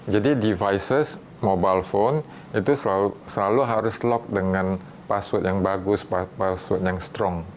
jadi perangkat mobile itu selalu harus terkunci dengan password yang bagus password yang kuat